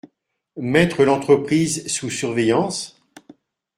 Mettre l’entreprise sous surveillance ?